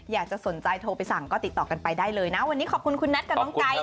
อยากจะสนใจโทรไปสั่งก็ติดต่อกันไปได้เลยนะวันนี้ขอบคุณคุณแท็กกับน้องไก่